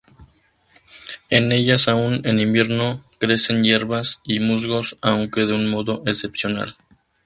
En ellas aun en invierno crecen hierbas y musgos, aunque de un modo excepcional.